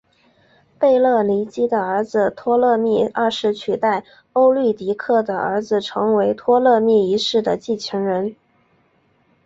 贝勒尼基的儿子托勒密二世取代欧律狄刻的儿子成为托勒密一世的继承人。